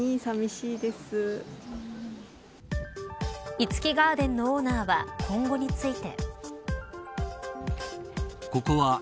樹ガーデンのオーナーは今後について。